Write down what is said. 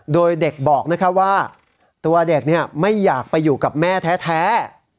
โดยเด็กบอกว่าตัวเด็กไม่อยากไปอยู่กับแม่แท้